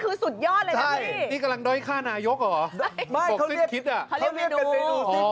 เออถ้าจะกินอย่างนี้ไม่กินเมืองไทยละท่านนายก